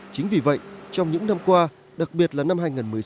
chính vì vậy trong những năm qua đặc biệt là năm hai nghìn một mươi sáu